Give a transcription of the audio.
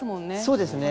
そうですね。